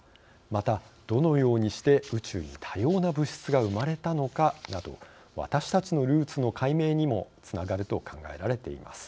またどのようにして宇宙に多様な物質が生まれたのかなど私たちのルーツの解明にもつながると考えられています。